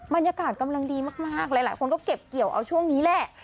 บรรยากาศกำลังดีมากหลายคนก็เก็บเกี่ยวเอาช่วงนี้แหละ